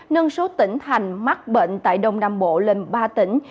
nâng số tỉnh thành mắc bệnh tại đông nam bộ lên ba tỉnh